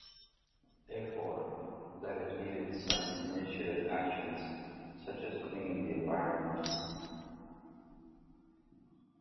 Therefore, that is needed some initiative actions such as cleaning the environment.